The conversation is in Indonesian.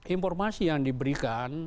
informasi yang diberikan